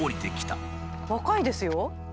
若いですよ。